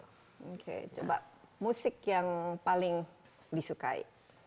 oke coba musik yang paling disukai